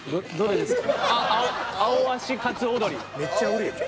めっちゃおるやん。